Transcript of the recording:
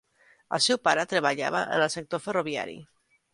El seu pare treballava en el sector ferroviari.